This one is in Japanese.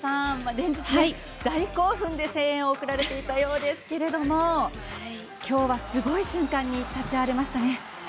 連日、大興奮で声援を送られていたようですが今日はすごい瞬間に立ち会われましたね。